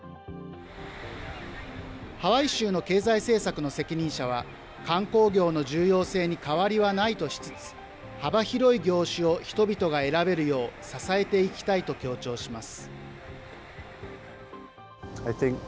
ハワイ州の経済政策の責任者は、観光業の重要性に変わりはないとしつつ、幅広い業種を人々が選べるよう、支えていきたいと強調します。